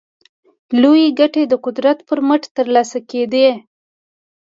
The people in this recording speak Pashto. لویې ګټې د قدرت پر مټ ترلاسه کېدې.